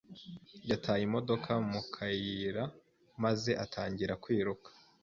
Yataye imodoka mu kayira maze atangira kwiruka.